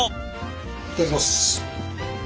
いただきます。